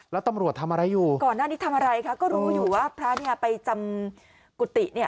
แล้วตำรวจทำอะไรอยู่ก่อนหน้านี้ทำอะไรคะก็รู้อยู่ว่าพระเนี่ยไปจำกุฏิเนี่ย